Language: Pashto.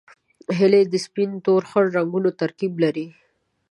هیلۍ د سپین، تور، خړ رنګونو ترکیب لري